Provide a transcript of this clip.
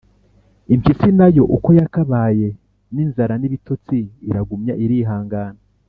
Impyisi na yo uko yakabaye n' inzara, n' ibitotsi, iragumya irihangana